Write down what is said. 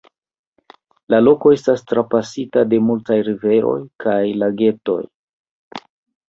La loko estas trapasita de multaj riveroj kaj lagetoj.